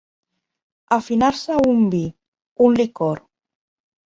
Afinar-se un vi, un licor.